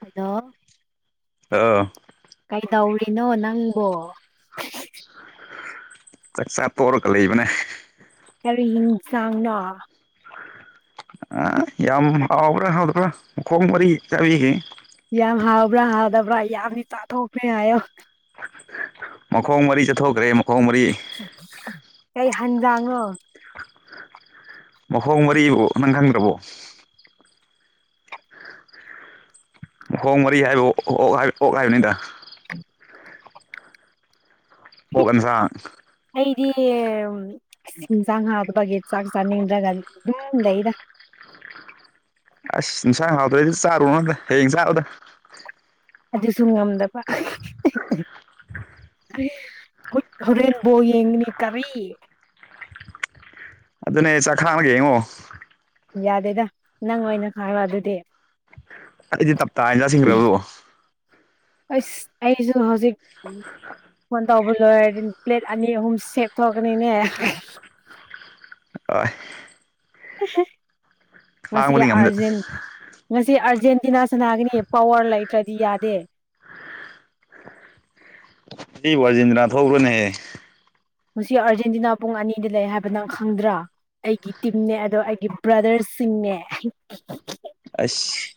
hello ꯑꯥ ꯀꯩꯗꯧꯔꯤꯅꯣ ꯅꯪꯕꯣ ꯆꯥꯛ ꯆꯥ ꯇꯣꯛꯂꯒꯥ ꯂꯩꯕꯅꯦ ꯀꯔꯤ ꯏꯟꯁꯥꯡꯅꯣ ꯑ ꯌꯥꯝ ꯍꯥꯎꯕꯔ ꯍꯥꯎꯕꯔ ꯃꯈꯣꯡ ꯃꯔꯤ ꯆꯕꯤꯒꯦ ꯌꯥꯝ ꯍꯥꯎꯕ꯭ꯔꯥ ꯍꯥꯎꯗꯕ꯭ꯔꯥ ꯌꯥꯝꯅꯗꯤ ꯆꯥꯊꯣꯛꯈ꯭ꯔꯦ ꯍꯥꯏꯌꯣ ꯃꯈꯣꯡ ꯃꯔꯤ ꯆꯠꯊꯣꯛꯈ꯭ꯔꯦ ꯃꯈꯣꯡ ꯃꯔꯤ ꯀꯩ ꯍꯟꯖꯥꯡꯅꯣ ꯃꯈꯣꯡ ꯃꯔꯤ ꯅꯪ ꯈꯪꯗ꯭ꯔꯕꯣ ꯃꯈꯣꯡ ꯃꯔꯤ ꯍꯥꯏꯕ ꯑꯣ ꯑꯣꯛ ꯑꯣꯛ ꯍꯥꯏꯕꯅꯤꯗ ꯑꯣꯛ ꯏꯟꯖꯥꯡ ꯑꯩꯗꯤ ꯑꯁ ꯏꯟꯖꯥꯡ ꯍꯧꯇꯄꯒꯤ ꯆꯥꯛ ꯆꯥꯅꯤꯡꯗ꯭ꯔꯗꯅ ꯑꯗꯨꯝ ꯂꯩꯗ ꯑꯁ ꯏꯟꯁꯥꯡ ꯍꯥꯎꯇꯔꯥꯗꯤ ꯆꯥꯔꯨꯔ ꯅꯣꯗ ꯍꯌꯦꯡ ꯆꯥꯔꯣꯗ ꯑꯗꯨꯁꯨ ꯉꯝꯗꯕ ꯑꯣꯏ ꯍꯣꯏꯔꯦꯟ ꯕꯣꯜ ꯌꯦꯡꯒꯥꯅꯤ ꯀꯔꯤ ꯑꯗꯨꯅꯦ ꯆꯥꯛ ꯈꯥꯡꯂꯒ ꯌꯦꯡꯉꯣ ꯌꯥꯗꯦꯗ ꯅꯪ ꯑꯣꯏꯅ ꯈꯥꯏꯌꯣ ꯑꯗꯨꯗꯤ ꯑꯗꯨꯗꯤ ꯇꯞꯇꯥꯥ ꯏꯟꯖꯥꯡꯁꯤꯡꯈ꯭ꯔꯕꯣ ꯑꯁ ꯑꯩꯖꯨ ꯍꯧꯖꯤꯛ ꯐꯣꯟ ꯇꯧꯕ ꯂꯣꯏꯔꯗꯤ ꯄ꯭ꯂꯦꯠ ꯑꯅꯤ ꯑꯍꯨꯝ ꯁꯦꯊꯣꯛꯀꯅꯤꯅꯦ ꯑ ꯃꯁꯤꯁꯤ ꯈꯥꯡꯕꯗꯤ ꯉꯝꯗꯦ ꯑꯔꯖꯦꯟ ꯉꯁꯤ ꯑꯥꯔꯖꯦꯟꯇꯤꯅꯥ ꯁꯅꯥꯒꯅꯤ ꯄꯋ꯭ꯔ ꯂꯩꯇ꯭ꯔꯗꯤ ꯌꯥꯗꯦ ꯑꯩ ꯑ꯭ꯔꯖꯦꯟꯇꯤꯅꯥ ꯊꯧꯕ꯭ꯔꯅꯦꯍꯦ ꯉꯥꯁꯤ ꯑꯥꯔꯖꯦꯟꯇꯤꯅꯥ ꯄꯨꯡ ꯑꯅꯤꯗ ꯂꯩ ꯍꯥꯏꯕ ꯅꯪ ꯈꯪꯗ꯭ꯔꯥ ꯑꯩꯒꯤ ꯇꯤꯝꯅꯦ ꯑꯗꯣ ꯑꯩꯒꯤ ꯕ꯭ꯔꯗꯔꯁꯤꯡꯅꯦ ꯑꯁ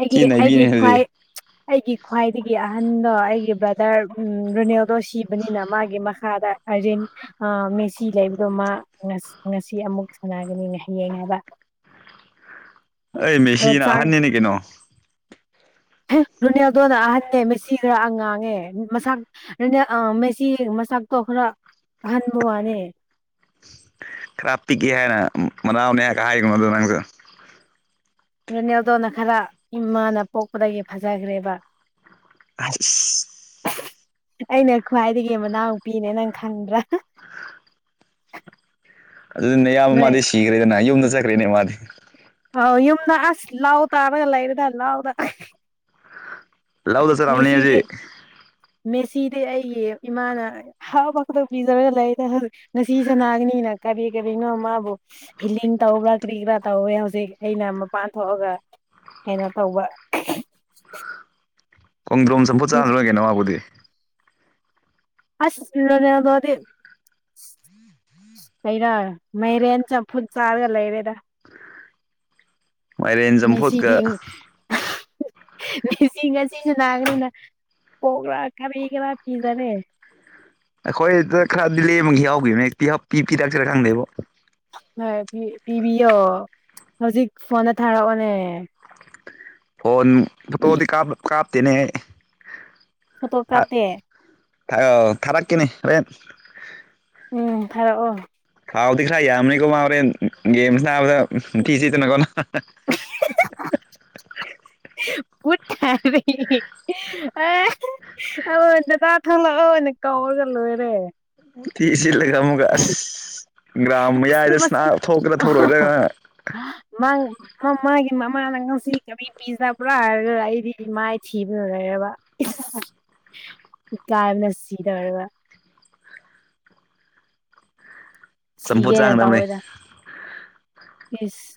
ꯑꯩꯒꯤ ꯊꯤ ꯅꯩꯕꯤꯅꯦ ꯑꯩꯒꯤ ꯑꯗꯨꯗꯤ ꯈ꯭ꯋꯥꯏ ꯑꯩꯒꯤ ꯈ꯭ꯋꯥꯏꯗꯒꯤ ꯑꯍꯟꯗꯣ ꯑꯩꯒꯤ ꯕ꯭ꯔꯗꯔ ꯎꯝ ꯔꯣꯅꯦꯜꯗꯣ ꯁꯤꯕꯅꯤꯅ ꯃꯥꯒꯤ ꯃꯈꯥꯗ ꯑꯔꯖꯦꯟ ꯑ ꯃꯦꯁꯤ ꯂꯩꯕꯗꯣ ꯃꯥ ꯉꯥ ꯉꯁꯤ ꯑꯃꯨꯛ ꯁꯥꯟꯅꯒꯅꯤꯅꯦ ꯍꯌꯦꯡ ꯅꯦꯕꯥ [inaudible] ꯑꯩ ꯃꯦꯁꯤꯅ ꯑꯍꯟꯅꯤꯅ ꯀꯩꯅꯣ ꯑꯦ ꯔꯣꯅꯦꯜꯗꯣꯅ ꯑꯍꯟꯅꯦ ꯃꯦꯁꯤꯅ ꯈꯔ ꯑꯉꯥꯡꯅꯦ ꯃꯁꯥ ꯑꯗꯨꯅ ꯑ ꯃꯦꯁꯤ ꯃꯆꯥꯛꯇꯣ ꯈꯔ ꯍꯟꯕ ꯋꯥꯅꯦ ꯈꯔ ꯄꯤꯛꯀꯦ ꯍꯥꯏꯅ ꯃꯅꯥꯎꯅꯦ ꯍꯥꯏꯒ ꯍꯥꯏꯒꯅꯣ ꯑꯗꯨ ꯅꯪꯁꯨ ꯔꯣꯅꯦꯜꯗꯣꯅ ꯈꯔ ꯏꯃꯥꯅ ꯄꯣꯛꯄꯗꯒꯤ ꯐꯖꯈ꯭ꯔꯦꯕ ꯑꯁ ꯑꯩꯅ ꯈ꯭ꯋꯥꯏꯗꯒꯤ ꯃꯅꯥꯎꯄꯤꯅꯦ ꯅꯪ ꯈꯪꯗ꯭ꯔ ꯑꯗꯨꯅꯦ ꯌꯥꯝꯌꯥꯝꯕ ꯅꯣꯏ ꯃꯥꯗꯤ ꯁꯤꯈ꯭ꯔꯦꯗꯅ ꯌꯨꯝꯗ ꯆꯠꯈ꯭ꯔꯦꯅꯦ ꯃꯥꯗꯤ ꯑꯥꯎ ꯌꯨꯝꯗ ꯑꯁ ꯂꯥꯎ ꯇꯥꯔꯒ ꯂꯩꯔꯦꯗ ꯂꯥꯎ ꯇ ꯂꯧꯗ ꯆꯠꯂꯝꯅꯤ ꯃꯦꯁꯤꯗꯤ ꯍꯧꯖꯤꯛ ꯃꯦꯁꯤꯗꯤ ꯑꯩꯒꯤ ꯏꯃꯥꯅ ꯍꯥꯎ ꯄꯥꯇ ꯄꯤꯖꯔꯒ ꯂꯩ ꯍꯧꯖꯤꯛ ꯉꯁꯤ ꯁꯅꯥꯒꯅꯤꯅ ꯀꯔꯤ ꯀꯔꯤꯅꯣ ꯃꯥꯕꯨ ꯍꯤꯂꯤꯡ ꯇꯧꯕ꯭ꯔ ꯀ꯭ꯔꯤꯒ꯭ꯔꯥ ꯇꯧꯋꯦ ꯍꯧꯖꯤꯛ ꯑꯩꯅ ꯃꯄꯥꯟ ꯊꯣꯛꯑꯒ ꯀꯩꯅꯣ ꯇꯧꯕ ꯈꯣꯡꯗ꯭ꯔꯣꯝ ꯆꯝꯐꯨꯠ ꯆꯥꯔ ꯂꯣꯏꯒꯅꯣ ꯃꯥꯕꯨꯗꯤ ꯑꯁꯅꯔꯦꯜ ꯐꯧꯗꯤ ꯑꯩꯔ ꯃꯥꯏꯔꯦꯟ ꯆꯝꯐꯨꯠ ꯆꯥꯔꯒ ꯂꯩꯔꯦꯗ ꯃꯥꯏꯔꯦꯟ ꯆꯝꯐꯨꯠꯀ ꯃꯦꯁꯤꯗꯤ ꯃꯦꯁꯤ ꯉꯁꯤꯁꯨ ꯅꯥꯈ꯭ꯔꯦꯅ ꯄꯣꯛꯂ ꯀꯔꯤ ꯈꯔ ꯄꯤꯖꯔꯦ ꯑꯩꯈꯣꯏꯗ ꯈꯔꯗꯤ ꯂꯦꯝꯃꯒꯤ ꯌꯥꯎꯈꯤꯕꯅꯦꯛꯇꯤ ꯍ ꯄꯤ ꯄꯤ ꯔꯛꯁꯤꯔꯥ ꯈꯪꯗꯦꯕꯣ ꯍꯣꯏ ꯄꯤꯕꯤꯌꯣ ꯍꯧꯖꯤꯛ ꯐꯣꯟꯗ ꯊꯥꯔꯛꯑꯣꯅꯦ ꯐꯣꯟ ꯐꯣꯇꯣꯗꯤ ꯀꯥꯞ ꯀꯥꯞꯇꯦꯅꯦ ꯐꯣꯇꯣ ꯀꯥꯄꯇꯦ ꯊ ꯊꯔꯥꯛ ꯀꯦꯅꯦ ꯍꯣꯔꯦꯟ ꯎꯝ ꯊꯥꯔꯛꯑꯣ ꯊꯥꯎꯗꯤ ꯈꯔ ꯌꯥꯝꯕꯅꯤꯀꯣ ꯃꯥ ꯍꯣꯔꯦꯟ ꯒꯦꯝ ꯁꯅꯥꯕꯗ ꯊꯤꯆꯤꯠꯇꯅꯀꯣꯅ ꯄꯨ ꯑꯦ ꯑꯩ ꯗꯗꯥ ꯊꯣꯛꯂꯛꯑꯣ ꯑꯣꯏꯅ ꯀꯧꯔꯒ ꯂꯣꯏꯔꯦ ꯊꯤ ꯆꯤꯠꯂꯒ ꯑꯃꯨꯛꯀ ꯑꯁ ꯒ꯭ꯔꯥꯎꯟ ꯑꯁ ꯃꯌꯥꯏꯗ ꯁꯅꯥ ꯊꯣꯛꯀ꯭ꯔꯥ ꯊꯣꯛꯔꯣꯏꯗꯒ ꯃꯥ ꯃꯃꯥꯒꯤ ꯃꯃꯥꯅ ꯉꯁꯤ ꯀꯕꯤ ꯄꯤꯖꯕ꯭ꯔꯥ ꯍꯥꯏꯔꯒ ꯑꯩꯗꯤ ꯃꯥꯏ ꯊꯤꯕꯅ ꯂꯩꯔꯕ ꯏꯀꯥꯏ ꯕꯅ ꯁꯤꯗꯧꯔꯦꯕ ꯆꯝꯐꯨꯠ ꯁꯤꯒꯦꯅ ꯆꯥꯅꯕꯅꯦ ꯇꯧꯋꯦꯗ ꯏꯁ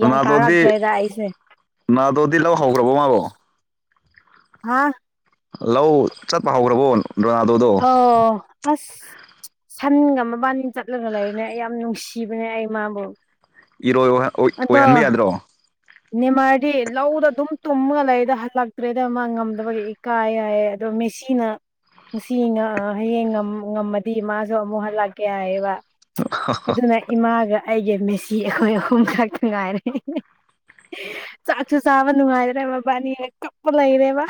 ꯒ꯭ꯌꯥꯟ ꯇꯥꯔꯛꯇ꯭ꯔꯦꯗ ꯑꯩꯁꯦ ꯅꯥꯗꯣꯗꯤ ꯂꯧ ꯍꯧꯈ꯭ꯔꯕꯣ ꯃꯥꯕꯣ ꯍꯥ ꯂꯧ ꯆꯠꯄ ꯍꯧꯈ꯭ꯔꯕꯣ ꯔꯣꯅꯥꯟꯗꯣ ꯗꯣ ꯑꯣ ꯑꯁ ꯁꯟꯒ ꯃꯕꯥꯅꯤ ꯆꯠꯂꯒ ꯂꯩꯕꯅꯦ ꯑꯩ ꯌꯥꯝ ꯅꯨꯡꯁꯤꯕꯅꯦ ꯑꯩ ꯃꯥꯕꯨ ꯏꯔꯣꯏ ꯋ ꯑꯗꯣ ꯅꯤꯃꯥꯔꯗꯤ ꯂꯧꯗ ꯑꯗꯨꯝ ꯇꯨꯝꯃꯒ ꯂꯩꯗ ꯍꯜꯂꯛꯇ꯭ꯔꯦꯗ ꯃꯥ ꯉꯝꯗꯕꯒꯤ ꯀꯥꯏꯑꯌꯦ ꯑꯗꯣ ꯃꯦꯁꯤꯟ ꯉꯁꯤꯅ ꯍꯌꯦꯡ ꯉꯝꯃꯗꯤ ꯃꯥꯁꯨ ꯑꯃꯨꯛ ꯍꯜꯂꯛꯀꯦ ꯍꯥꯏꯌꯦꯕ ꯑꯗꯨꯅ ꯏꯃꯥꯒ ꯑꯩꯒ ꯃꯦꯁꯤ ꯑꯩꯈꯣꯏ ꯑꯍꯨꯝ ꯈꯛꯇ ꯉꯥꯏꯔꯦ ꯆꯥꯛꯁꯨ ꯆꯥꯕ ꯅꯨꯡꯉꯥꯏꯗ꯭ꯔꯦ ꯕꯥꯅꯤ ꯍꯦꯛ ꯀꯛꯄ ꯂꯩꯔꯦꯕ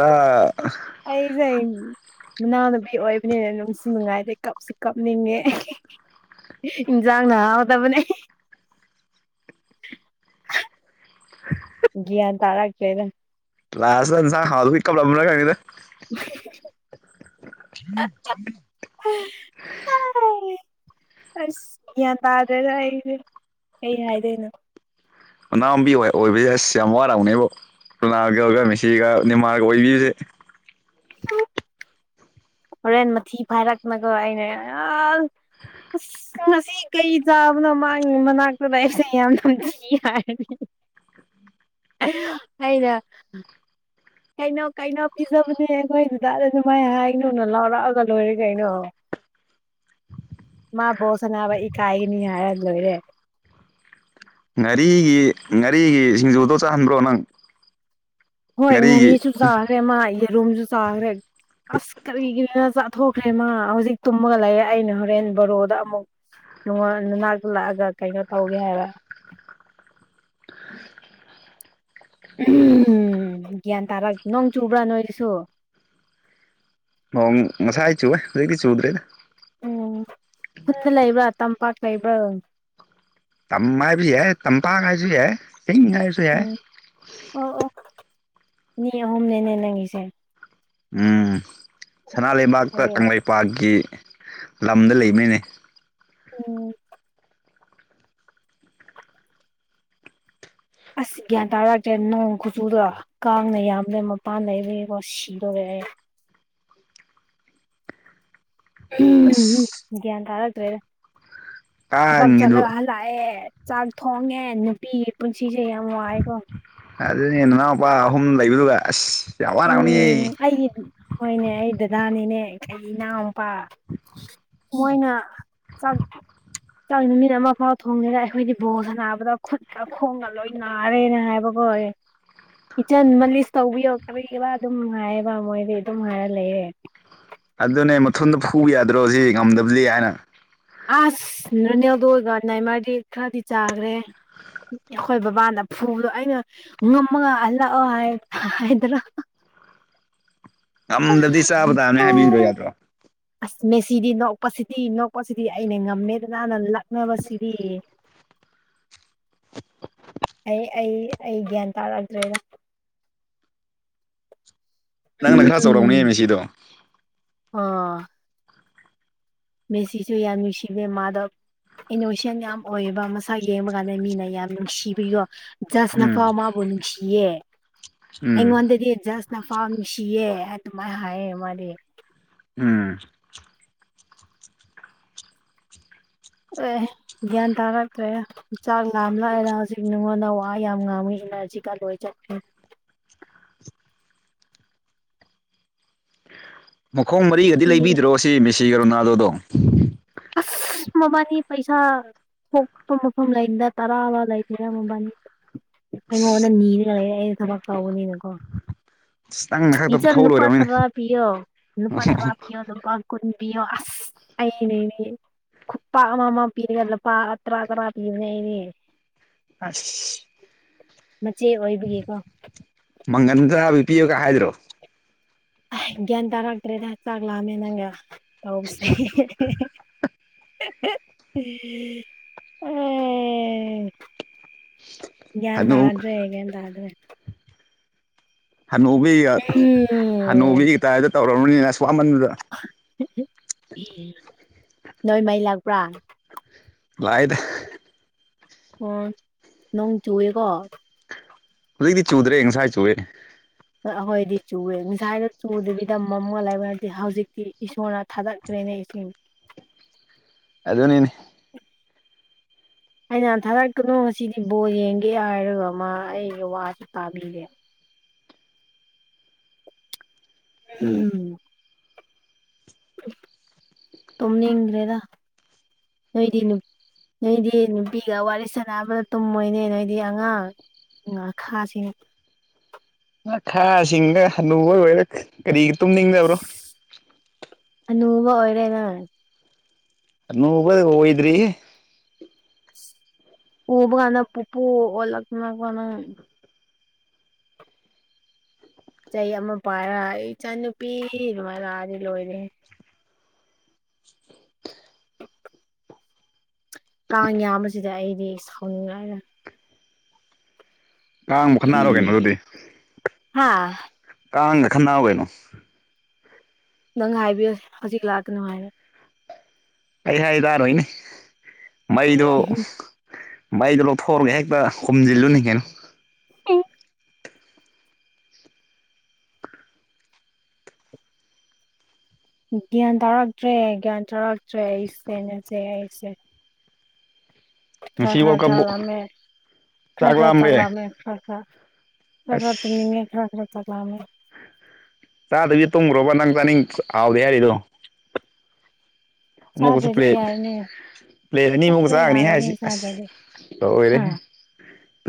ꯑꯥ ꯑꯩ ꯁꯦ [inaudible] ꯃꯅꯥꯎꯅꯨꯕꯤ ꯑꯣꯏꯕꯅꯤꯅ ꯅꯨꯡꯁꯨ ꯅꯨꯡꯉꯥꯏꯔꯦ ꯀꯞꯁꯨ ꯀꯞꯅꯤꯡꯉꯦ ꯏꯟꯖꯥꯡꯅ ꯍꯥꯎꯇꯕꯅꯦ ꯒꯤꯌꯥꯟ ꯇꯥꯔꯛꯇꯦꯗ ꯂꯥꯏꯁꯇ ꯌꯦꯟꯁꯥꯡ ꯍꯥꯎꯇꯕꯩ ꯀꯥꯞꯂꯝꯃ ꯈꯪꯗꯦꯗ ꯍꯦꯍꯥꯍꯥꯍꯥ [inaudible] ꯑꯁ ꯒ꯭ꯌꯥꯟ ꯇꯥꯗꯦꯗ ꯑꯩꯗꯤ ꯀꯩ ꯍꯥꯏꯗꯣꯏꯅꯣ ꯃꯅꯥꯎꯕꯤ ꯑꯣꯏꯕꯁꯦ ꯑꯁ ꯌꯥꯝ ꯋꯥꯔꯝꯅꯦꯕꯣ ꯔꯣꯅꯥꯟꯗꯣ ꯃꯦꯁꯤꯒ ꯅꯤꯃꯥꯔꯒ ꯑꯣꯏꯕꯤꯕꯁꯦ ꯑꯣ ꯍꯣꯔꯦꯟ ꯃꯊꯤ ꯐꯥꯏꯔꯛꯑꯒ ꯑꯩꯅ ꯑꯥꯁ ꯉꯁꯤ ꯀꯩ ꯆꯥꯕꯅꯣ ꯃꯥꯡꯉꯤ ꯃꯅꯥꯛꯇ ꯂꯩꯕꯁꯦ ꯌꯥꯝ ꯅꯝꯊꯤ ꯍꯥꯏꯔꯅꯤ ꯑꯩꯅꯥ ꯀꯩꯅꯣ ꯀꯩꯅꯣ ꯄꯤꯖꯕꯅꯦ ꯑꯩꯈꯣꯏ ꯗꯥꯗꯥ ꯑꯗꯨ ꯃꯥꯏ ꯍꯥꯏꯅꯨꯅ ꯂꯥꯎꯔꯛꯑꯒ ꯂꯣꯏꯔꯦ ꯀꯩꯅꯣ ꯃꯥ ꯕꯣꯜ ꯁꯥꯟꯅꯕ ꯏꯀꯥꯏꯒꯤꯅꯤ ꯍꯥꯏꯔ ꯂꯣꯏꯔꯦ ꯉꯥꯔꯤꯒꯤ ꯉꯥꯔꯤꯒꯤ ꯁꯤꯡꯖꯨꯗꯣ ꯆꯥꯍꯟꯕ꯭ꯔꯣ ꯅꯪ ꯍꯣꯏ ꯉꯥꯔꯤꯒꯤ ꯉꯥꯔꯤꯁꯨ ꯆꯥꯈ꯭ꯔꯦ ꯃꯥ ꯌꯦꯔꯨꯝꯁꯨ ꯆꯥꯈ꯭ꯔꯦ ꯑꯁ ꯀꯔꯤꯒꯤꯅ ꯆꯥꯊꯣꯛꯈ꯭ꯔꯦ ꯃꯥ ꯍꯧꯖꯤꯛ ꯇꯨꯝꯃꯒ ꯂꯩꯔꯦ ꯑꯩꯅ ꯍꯣꯔꯦꯟ ꯕꯣꯔꯣꯗ ꯑꯃꯨꯛ ꯅꯅꯥꯛꯇ ꯂꯛꯑꯒ ꯀꯩꯅꯣ ꯇꯧꯒꯦ ꯍꯥꯏꯕ ꯎꯝ ꯒ꯭ꯌꯥꯟ ꯇꯥꯔꯛ ꯅꯣꯡ ꯆꯨꯕ꯭ꯔꯥ ꯅꯣꯏꯁꯨ ꯅꯣꯡ ꯉꯁꯥꯏ ꯆꯨꯋꯦ ꯍꯧꯖꯤꯛꯇꯤ ꯆꯨꯗ꯭ꯔꯦꯗ ꯎꯝ ꯈꯨꯟꯇ ꯂꯩꯕ꯭ꯔꯥ ꯇꯝꯄꯥꯛ ꯂꯩꯕ꯭ꯔꯥ ꯇꯝ ꯍꯥꯏꯕ ꯌꯥꯏ ꯇꯝꯄꯥꯛ ꯍꯥꯏꯔꯁꯨ ꯌꯥꯏ ꯆꯤꯡ ꯍꯥꯏꯔꯁꯨ ꯎꯝ ꯑꯣ ꯑꯣ ꯃꯤ ꯑꯍꯨꯝꯅꯤꯅꯦ ꯅꯪꯒꯤꯁꯦ ꯎꯝ ꯁꯅꯥ ꯂꯩꯕꯥꯛꯇ ꯑꯣ ꯀꯪꯂꯩꯄꯥꯛꯀꯤ ꯂꯝꯗ ꯂꯩꯕꯅꯤꯅꯦ ꯑꯣ ꯑꯁ ꯒ꯭ꯌꯥꯟ ꯇꯥꯔꯛꯇ꯭ꯔꯦ ꯅꯣꯡ ꯈꯨꯆꯨꯗꯣ ꯀꯥꯡꯅ ꯌꯥꯝꯃꯦ ꯃꯄꯥꯟꯗ ꯂꯩꯕꯩꯀꯣ ꯁꯤꯗꯣꯔꯦ ꯑꯩ ꯑꯁ ꯒ꯭ꯌꯥꯟ ꯇꯥꯔꯛꯇ꯭ꯔꯦꯗ ꯊꯕꯛ ꯀꯥꯡꯉꯤꯗꯨ ꯆꯠꯂꯒ ꯍꯜ ꯂꯥꯛꯑꯦ ꯆꯥꯛ ꯊꯣꯡꯉꯦ ꯅꯨꯄꯤꯒꯤ ꯄꯨꯟꯁꯤꯁꯦ ꯌꯥꯝ ꯋꯥꯏꯀꯣ ꯑꯗꯨꯅꯦ ꯅꯅꯥꯎꯄꯥ ꯑꯍꯨꯝ ꯂꯩꯕꯗꯨ ꯑꯁ ꯌꯥꯝ ꯋꯥꯔꯛꯅꯤꯌꯦ ꯎꯝ ꯑꯩꯒꯤ ꯍꯣꯏꯅꯦ ꯑꯩ ꯗꯗꯥꯅꯤꯅꯦ ꯑꯩ ꯏꯅꯥꯎ ꯅꯨꯄꯥ ꯃꯣꯏꯅ ꯆꯥꯛ ꯆꯥꯡ ꯅꯨꯃꯤꯠ ꯑꯃ ꯐꯥꯎ ꯊꯣꯡꯗꯦꯗ ꯑꯩꯈꯣꯏꯗꯤ ꯕꯣꯜ ꯁꯥꯟꯅꯕꯗ ꯈꯨꯠꯀ ꯈꯣꯡꯒ ꯂꯣꯏꯅ ꯅꯥꯔꯦꯅ ꯍꯥꯏꯕꯀꯣ ꯏꯤꯆꯟ ꯃꯂꯤꯁ ꯇꯧꯕꯤꯌꯣ ꯊꯕꯤꯛꯈꯤꯕꯈꯤꯕ ꯑꯗꯨꯝ ꯍꯥꯏꯌꯦꯕ ꯃꯣꯏꯗꯤ ꯑꯗꯨꯝ ꯍꯥꯏꯔ ꯂꯩꯑꯦ ꯑꯗꯨꯅꯦ ꯃꯊꯣꯟꯗ ꯐꯨꯕ ꯌꯥꯗ꯭ꯔꯣ ꯁꯤ ꯉꯝꯗꯕꯗꯤ ꯍꯥꯏꯅ ꯑꯁ ꯅꯨꯔꯦꯜꯗꯣꯒ ꯅꯩꯃꯥꯔꯗꯤ ꯈꯔꯗꯤ ꯆꯥꯒ꯭ꯔꯦꯍꯦ ꯑꯩꯈꯣꯏ ꯕꯕꯥꯅ ꯐꯨꯕꯗꯣ ꯑꯩꯅ ꯉꯥꯝꯃꯒ ꯂꯥꯛꯑꯣ ꯍꯥꯏ ꯍꯥꯏꯗ꯭ꯥꯔꯣ ꯉꯝꯗꯥꯗꯤ ꯆꯥꯕ ꯇꯥꯕꯅꯦ ꯍꯥꯏꯕꯤꯕ ꯌꯥꯗ꯭ꯔꯣ ꯑꯁ ꯃꯦꯁꯤꯗꯤ ꯅꯣꯛꯄꯁꯤꯗꯤ ꯅꯣꯛꯄꯁꯤꯗꯤ ꯑꯩꯅ ꯉꯝꯃꯦꯗꯅꯅ ꯂꯛꯅꯕꯁꯤꯗꯤ [inaudible] ꯑꯩ -ꯑꯩ- ꯑꯩ ꯒ꯭ꯌꯥꯟ ꯇꯥꯔꯛꯇ꯭ꯔꯦꯗ ꯅꯪꯅ ꯈꯔ ꯎꯝ ꯆꯥꯎꯔꯝꯅꯤꯅꯦ ꯃꯦꯁꯤꯗꯣ ꯑꯣ ꯃꯦꯁꯤꯁꯨ ꯌꯥꯝ ꯅꯨꯡꯁꯤꯕꯅꯦ ꯃꯥꯙꯕ ꯏꯅꯣꯁꯦꯟ ꯌꯥꯝ ꯑꯣꯏꯌꯦꯕ ꯃꯁꯥ ꯌꯦꯡꯕ ꯀꯥꯟꯗ ꯃꯤꯅ ꯌꯥꯝ ꯅꯨꯡꯁꯤꯕꯤꯒꯣ ꯖꯥꯁꯅ ꯎꯝ ꯐꯥꯎ ꯃꯕꯨ ꯅꯨꯡꯁꯤꯌꯦ ꯎꯝ ꯑꯩꯉꫭꯟꯗꯒꯤ ꯖꯥꯁ ꯅꯐꯥꯎ ꯅꯨꯡꯁꯤꯌꯦ ꯍꯥꯏ ꯑꯗꯨꯃꯥꯏꯅ ꯍꯥꯏꯌꯦ ꯃꯥꯗꯤ ꯎꯝ ꯑꯦ ꯒ꯭ꯌꯥꯟ ꯇꯥꯔꯛꯇ꯭ꯔꯦꯗ ꯆꯥꯛ ꯂꯥꯝ ꯂꯥꯛꯑꯦꯗ ꯍꯧꯖꯤꯛ ꯅꯉꯣꯟꯗ ꯋꯥ ꯌꯥꯝ ꯉꯥꯡꯕꯩ ꯏꯅꯔꯖꯤꯀ ꯂꯣꯏ ꯆꯠ ꯃꯈꯣꯡ ꯃꯔꯤꯒꯗꯤ ꯂꯩꯕꯤꯗ꯭ꯔꯣ ꯁꯤ ꯃꯦꯁꯤꯒ ꯔꯣꯅꯥꯜꯗꯣꯗꯣ ꯑꯁ ꯃꯕꯥꯅꯤ ꯄꯩꯁꯥ ꯄꯣꯛꯄ ꯃꯐꯝ ꯂꯩꯅꯤꯗ ꯇꯔꯥꯔ ꯂꯩꯇꯔꯦ ꯃꯕꯥꯅꯤ ꯑꯩꯉꯣꯟꯗ ꯑꯁ ꯅꯤꯔꯒ ꯂꯩꯌꯦ ꯑꯩꯅ ꯊꯕꯛ ꯇꯧꯕꯅꯤꯅꯀꯣ ꯑꯁ ꯅꯪꯅ ꯈꯛꯇ ꯏꯆꯟ ꯐꯨꯊꯧ ꯅꯨꯄꯥ ꯂꯣꯏꯔꯕꯅꯤꯅꯦ ꯇꯔꯥ ꯄꯤꯌꯣ ꯂꯨꯄꯥ ꯇ꯭ꯔꯥ ꯄꯤꯌꯣ ꯅꯨꯄꯥ ꯀꯨꯟ ꯄꯤꯌꯣ ꯑꯁ ꯑꯩꯅꯦꯅꯦ ꯈꯨꯄꯥ ꯑꯃ -ꯑꯃ ꯄꯤꯔꯒ ꯂꯨꯄꯥ ꯇꯔꯥ- ꯇꯔꯥ ꯄꯤꯕꯅꯦ ꯑꯩꯗꯤ ꯑꯁ ꯃꯆꯦ ꯑꯣꯏꯕꯒꯤꯀꯣ ꯃꯪꯒꯟ ꯈꯔꯗꯤ ꯄꯤꯌꯨꯒ ꯍꯥꯏꯗ꯭ꯔꯣ ꯒꯌꯥꯟ ꯇꯥꯔꯛꯇ꯭ꯔꯦꯗ ꯆꯥꯛ ꯂꯝꯃꯦ ꯅꯪꯒ ꯇꯧꯕꯁꯤ [inaudible] ꯒ꯭ꯌꯥꯟ ꯍꯅꯨ ꯇꯗꯔꯦ- ꯒ꯭ꯌꯥꯟ ꯇꯗꯔꯦ ꯍꯟꯅꯨꯕꯤꯒ ꯎꯝ ꯍꯟꯅꯨꯕꯤꯒ ꯇꯥꯏꯗ ꯇꯧꯔꯔꯕꯅꯤꯅ ꯑꯁ ꯋꯥꯃꯟꯕꯗ ꯅꯣꯏ ꯃꯩ ꯂꯥꯛꯄ꯭ꯔꯥ ꯂꯥꯏꯗ ꯑꯣ ꯅꯣꯡ ꯆꯨꯑꯦꯀꯣ ꯍꯧꯖꯤꯛꯇꯤ ꯆꯨꯗ꯭ꯔꯦ ꯉꯁꯥꯏ ꯆꯨꯏꯋꯦ ꯑꯩꯈꯣꯏꯗꯤ ꯆꯨꯋꯦ ꯉꯁꯥꯏꯅ ꯆꯨꯗꯕꯤꯗ ꯃꯝꯃꯒ ꯂꯩꯕ ꯍꯧꯖꯤꯛꯇꯤ ꯏꯁꯣꯔꯅ ꯊꯥꯗꯠꯈ꯭ꯔꯦꯅꯦ ꯏꯁꯤꯡ ꯑꯗꯨꯅꯤꯅꯦ ꯑꯩꯅ ꯊꯥꯗꯔꯛꯀꯅꯣ ꯉꯁꯤꯗꯤ ꯕꯣꯜ ꯌꯦꯡꯒꯦ ꯍꯥꯏꯔꯒ ꯃꯥ ꯑꯩꯒꯤ ꯋꯥꯁꯨ ꯇꯥꯕꯤꯗꯦ ꯎꯝ ꯇꯨꯝꯅꯤꯡꯗ꯭ꯔꯦꯗ ꯅꯣꯏꯗꯤ ꯅꯣꯏꯗꯤ ꯅꯨꯄꯤꯒ ꯋꯥꯔꯤ ꯁꯥꯟꯅꯕꯗ ꯇꯨꯝꯃꯣꯏꯅꯦ ꯅꯣꯏꯗꯤ ꯑꯉꯥꯡ ꯉꯥꯈꯥꯁꯤ ꯉꯥꯈꯥꯁꯤꯡꯒ ꯍꯥꯅꯨꯕ ꯑꯣꯏꯔ ꯀꯔꯤꯒꯤ ꯇꯨꯝꯅꯤꯡꯗꯕ꯭ꯔꯣ ꯍꯥꯅꯨꯕ ꯑꯣꯏꯔꯦ ꯅꯪ ꯍꯥꯅꯨꯕ ꯑꯣꯏꯗ꯭ꯔꯤꯌꯦ ꯎꯕ ꯀꯥꯟꯗ ꯄꯨꯄꯨ ꯑꯣꯜꯂꯛꯇꯅꯀꯣ ꯅꯪ ꯆꯩ ꯑꯃ ꯄꯥꯏꯔ ꯏꯆꯟꯅꯨꯄꯤ ꯑꯗꯨꯃꯥꯏ ꯂꯥꯛꯑꯗꯤ ꯂꯣꯏꯔꯦꯍꯦ ꯀꯥꯡ ꯌꯥꯝꯕꯁꯤꯗ ꯑꯩꯗꯤ ꯁꯥꯎꯅꯤꯡꯉꯥꯏꯔ ꯀꯥꯡꯕꯨ ꯈꯠꯅꯔꯣ ꯀꯩꯅꯣ ꯑꯗꯨꯗꯤ ꯍꯥꯥ ꯀꯥꯡꯒ ꯈꯟꯅꯥꯎ ꯀꯩꯅꯣ ꯅꯪ ꯍꯥꯏꯕꯤꯌꯨ ꯍꯧꯖꯤꯛ ꯂꯥꯛꯀꯅꯨ ꯍꯥꯏꯔꯦ ꯑꯩꯅ ꯍꯥꯏ ꯇꯔꯣꯏꯅꯦ ꯃꯩꯗꯣ ꯃꯩꯗꯣ ꯂꯧꯊꯣꯛꯎꯔꯒꯦ ꯍꯦꯛꯇ ꯍꯨꯝꯖꯤꯜꯂꯨꯅꯤ ꯀꯩꯅꯣ [inaudible] ꯒ꯭ꯌꯥꯟ ꯇꯥꯔꯛꯇ꯭ꯔꯦ ꯒ꯭ꯌꯥꯟ ꯇꯥꯔꯛꯇ꯭ꯔꯦ ꯑꯩꯁꯦ ꯑꯩꯁꯦ ꯈꯔ ꯉꯁꯤ ꯋꯥꯔꯜ ꯈꯔ ꯆꯥꯛ ꯀꯞꯄꯨ ꯂꯥꯝꯃꯦ ꯈꯔ ꯆꯥꯛ ꯈꯔ ꯂꯥꯝꯕ꯭ꯔꯦ ꯆꯥꯛꯂꯥꯝꯃꯦ ꯈꯔ ꯈꯔ ꯑꯁ ꯇꯨꯝꯅꯤꯡꯉꯦ ꯈꯔ ꯈꯔ ꯆꯥꯛꯂꯥꯝꯃꯦ ꯆꯥꯗꯔꯗꯤ ꯇꯨꯝꯈ꯭ꯔꯣꯕ ꯅꯪ ꯆꯥꯅꯤꯡ ꯍꯥꯎꯗꯦ ꯍꯥꯏꯔꯤꯗꯣ ꯑꯃꯨꯛꯀꯁꯨ ꯆꯥꯗ꯭ꯔꯗꯤ ꯄ꯭ꯂꯦꯠ ꯌꯥꯔꯦꯅꯦ ꯄ꯭ꯂꯦꯠ ꯑꯅꯤꯃꯨꯛ ꯄꯨꯛꯅ ꯆꯥꯒꯅꯤ ꯌꯥꯔꯦꯅꯦ ꯍꯥꯏꯔꯤꯁꯤ ꯑꯁ ꯆꯥꯗ꯭ꯔꯗꯤ ꯂꯣꯏꯔꯦ ꯍꯥ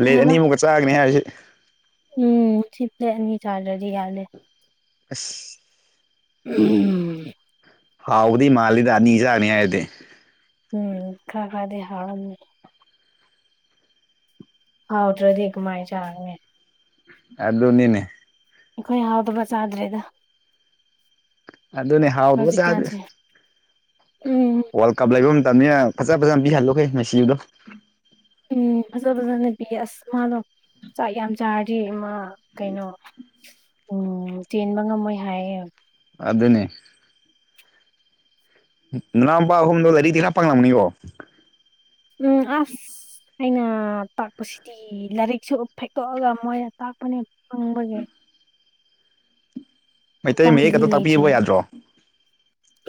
ꯀꯩ ꯍꯥꯏꯕ ꯑꯅꯤꯃꯨꯛ ꯆꯥꯒꯅꯤ ꯍꯥꯏꯖꯦ ꯎꯝ ꯁꯤꯠꯂꯦ ꯑꯅꯤ ꯆꯥꯗ꯭ꯔꯗꯤ ꯌꯥꯂꯦ ꯑꯁ ꯎꯝ ꯍꯥꯎꯕꯗꯤ ꯃꯥꯜꯂꯤꯗ ꯑꯅꯤ ꯖꯥꯅꯤꯒ ꯍꯥꯏꯗꯤ ꯎꯝ ꯈꯔ- ꯈꯔꯗꯤ ꯍꯥꯎꯔꯝꯅꯤ ꯍꯥꯎꯇ꯭ꯔꯥꯗꯤ ꯀꯃꯥꯏ ꯆꯥꯒꯅꯤ ꯑꯗꯨꯅꯤꯅꯦ ꯑꯩꯈꯣꯏ ꯍꯥꯎꯗꯕ ꯆꯥꯗ꯭ꯔꯦꯗ ꯑꯗꯨꯅꯦ ꯍꯥꯎꯗꯕ ꯆꯥꯗꯦ ꯍꯧꯖꯤꯛꯀꯥꯟꯁꯦ ꯎꯝ ꯋꯥꯔꯜ ꯀꯞ ꯂꯩꯕ ꯃꯇꯝꯅꯦ ꯐꯖ ꯐꯖꯅ ꯄꯤꯍꯜꯂꯨ ꯉꯁꯤꯗꯣ ꯎꯝ ꯐꯖ ꯐꯖꯅ ꯄꯤꯌꯦ ꯃꯥꯗꯣ ꯆꯥꯛ ꯌꯥꯝ ꯆꯥꯔꯗꯤ ꯑꯃ ꯀꯩꯅꯣ ꯎꯝ ꯆꯦꯟꯕ ꯉꯝꯃꯣꯏ ꯍꯥꯏꯌꯦ ꯑꯗꯨꯅꯦ ꯅꯅꯥꯎꯄꯥ ꯑꯍꯨꯝꯗꯣ ꯂꯥꯏꯔꯤꯛꯗꯤ ꯈꯔ ꯄꯪꯂꯝꯅꯤꯀꯣ ꯎꯝ ꯑꯁ ꯑꯩꯅ ꯇꯥꯛꯄꯁꯤꯗꯤ ꯂꯥꯏꯔꯤꯛꯁꯨ ꯐꯦꯛꯇꯣꯛꯑꯒ ꯃꯣꯏꯅ ꯇꯥꯛꯄꯅꯦ ꯄꯡꯕꯒꯤ ꯃꯩꯇꯩ ꯃꯌꯦꯛ ꯈꯨꯄꯪꯁꯤꯗꯤ ꯈꯛꯇ ꯂꯩꯇ꯭ꯔꯦ ꯇꯥꯛꯄꯤꯕ ꯌꯥꯗ꯭ꯔꯣ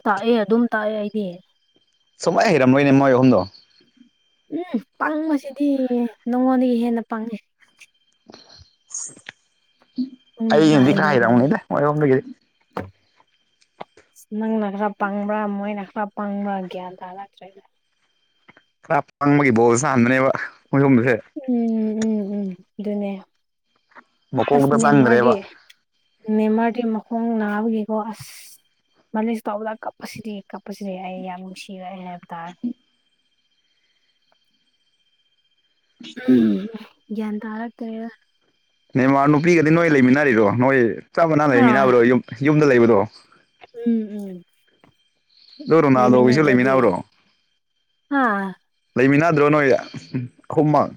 ꯇꯥꯛꯑꯦ ꯑꯗꯨꯝ ꯇꯥꯛꯑꯦ ꯑꯩꯗꯤ ꯁꯨꯛꯍꯩ ꯍꯩꯔꯝꯃꯣꯏꯅꯦ ꯃꯣꯏ ꯑꯍꯨꯝꯗꯣ ꯎꯝ ꯄꯪꯕꯁꯤꯗꯤ ꯅꯉꯣꯟꯗꯒꯤ ꯍꯦꯟꯅ ꯄꯡꯉꯦ ꯅꯪꯅ ꯑꯩꯅꯗꯤ ꯈꯔ ꯍꯩꯗꯧ ꯃꯥꯜꯂꯦ ꯍꯩꯔꯝꯅꯤꯗ ꯃꯣꯏ ꯑꯍꯨꯝꯗꯒꯤꯗꯤ ꯅꯪꯅ ꯈꯔ ꯄꯪꯕ꯭ꯔꯥ ꯃꯣꯏꯅ ꯈꯔ ꯄꯪꯕ꯭ꯔꯥ ꯒ꯭ꯌꯥꯟ ꯇꯥꯔꯛꯇ꯭ꯔꯦꯗ ꯈꯔ ꯄꯡꯕꯒꯤ ꯕꯣꯜ ꯁꯥꯅꯍꯟꯕꯅꯦꯕ ꯃꯣꯏꯑꯍꯨꯝꯁꯦ ꯎꯝ ꯎꯝ ꯎꯝ ꯑꯗꯨꯅꯦ ꯑꯁ ꯃꯀꯣꯛꯇ ꯅꯦꯃꯥꯔꯗꯤ ꯆꯪꯗ꯭ꯔꯦꯕ ꯅꯦꯃꯥꯔꯗꯤ ꯃꯈꯣꯡ ꯅꯥꯕꯒꯤꯀꯣ ꯑꯁ ꯃꯥꯂꯤꯁ ꯇꯧꯕꯗ ꯀꯞꯄꯁꯤꯗꯤ ꯀꯞꯄꯁꯤꯗꯤ ꯑꯩ ꯌꯥꯝ ꯅꯨꯡꯁꯤꯔꯛꯑꯦ ꯍꯥꯏꯕ ꯇꯥꯔꯦ ꯎꯝ ꯒꯌ꯭ꯥꯟ ꯇꯥꯔꯛꯇꯔꯦꯗ ꯅꯦꯃꯥꯔ ꯅꯨꯄꯤꯒꯗꯤ ꯅꯣꯏ ꯂꯩꯃꯤꯟꯅꯔꯤꯔꯣ ꯅꯣꯏ ꯆꯞ ꯃꯅꯥ ꯍꯥꯥ ꯂꯩꯃꯤꯟꯅꯕꯗꯣ ꯌꯨꯝ ꯌꯨꯝꯗ ꯂꯩꯕꯗꯣ ꯎꯝ ꯎꯝ ꯑꯣ ꯔꯣꯅꯥꯜꯗꯣꯒꯤꯁꯨ ꯂꯩꯃꯤꯅꯕ꯭ꯔꯣ ꯍꯥ ꯂꯩꯃꯤꯟꯅꯗ꯭ꯔꯣ ꯅꯣꯏ ꯑꯍꯨꯝꯃꯛ